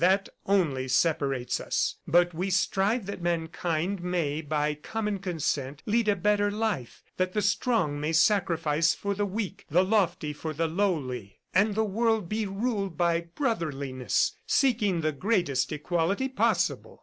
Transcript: That only separates us. But we strive that mankind may, by common consent, lead a better life, that the strong may sacrifice for the weak, the lofty for the lowly, and the world be ruled by brotherliness, seeking the greatest equality possible."